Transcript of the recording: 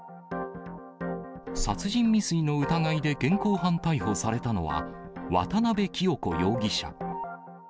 殺人未遂の疑いで現行犯逮捕されたのは、渡部清子容疑者。